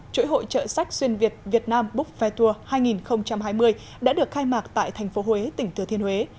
chuỗi hội trợ sách xuyên việt việt nam book fai tour hai nghìn hai mươi đã được khai mạc tại thành phố huế tỉnh thừa thiên huế